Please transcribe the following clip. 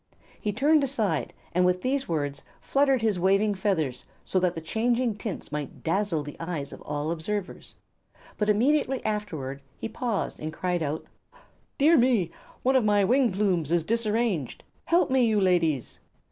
He turned aside, with these words, and fluttered his waving feathers so that their changing tints might dazzle the eyes of all observers. But immediately afterward he paused and cried out: "Dear me! One of my wing plumes is disarranged. Help me, you ladies!"